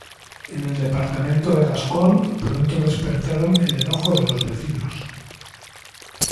En el departamento de Gascón, pronto despertaron el enojo de los vecinos.